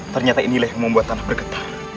ternyata inilah yang membuat tanah bergetar